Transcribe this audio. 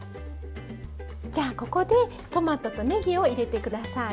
じゃあここでトマトとねぎを入れて下さい。